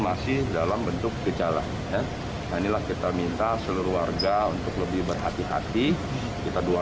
masih dalam bentuk gejala nah inilah kita minta seluruh warga untuk lebih berhati hati kita dua